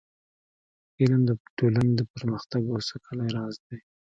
علم د ټولنې د پرمختګ او سوکالۍ راز دی.